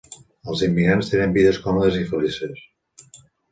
Els immigrants tenen vides còmodes i felices.